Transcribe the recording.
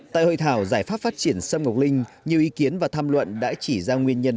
tại hội thảo giải pháp phát triển sâm ngọc linh nhiều ý kiến và tham luận đã chỉ ra nguyên nhân